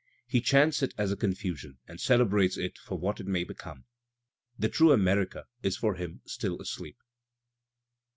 He chants it as a confusion, and celebrates it for what it may become. The true America is for him still asleep.